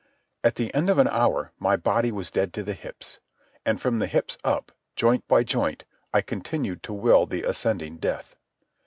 At the end of an hour my body was dead to the hips, and from the hips up, joint by joint, I continued to will the ascending death.